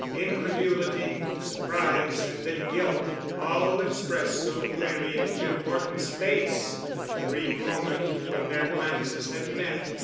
Incredulity, surprise and then guilt, all expressed so clearly in Jim Horton's face in the brief moment when their glances had met.